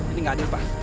ini gak adil pak